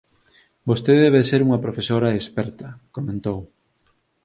Vostede debe de ser unha profesora experta —comentou.